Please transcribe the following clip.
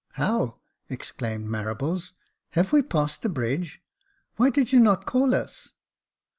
" How !" exclaimed Marables ;" have we passed the bridge ? Why did you not call us